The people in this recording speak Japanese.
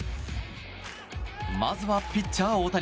まずは、ピッチャー大谷。